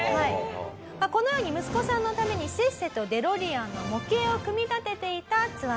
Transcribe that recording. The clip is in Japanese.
このように息子さんのためにせっせとデロリアンの模型を組み立てていたツワさん。